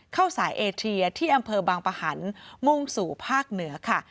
เข้าสายเอเชียที่อำเภอบางปะหันมุ่งสู่ภาคเหนือค่ะ